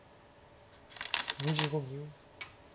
２５秒。